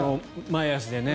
前足でね。